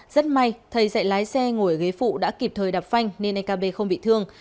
rất may thầy dạy lái xe ngồi ở ghế phụ đã kịp thời đạp phanh nên anh cơ bê không bị thương